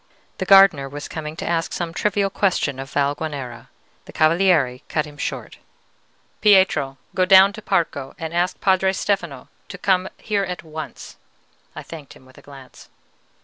The gardener was coming to ask some trivial question of Valguanera. The Cavaliere cut him short. "Pietro, go down to Parco and ask Padre Stefano to come here at once." (I thanked him with a glance.)